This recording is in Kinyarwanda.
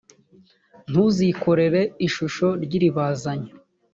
ntuzikorere ishusho ry’iribazanyo